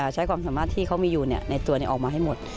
ใช้ความสามารถที่เขามีอยู่ในตัวนี้ออกมาให้หมด